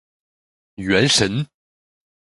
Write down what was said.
原神